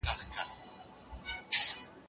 د ملي عايد د زياتوالي لپاره نوي پلانونه جوړول کېږي.